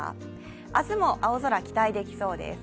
明日も青空、期待できそうです。